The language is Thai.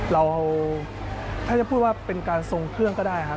เราถ้าจะพูดว่าเป็นการทรงเครื่องก็ได้ครับ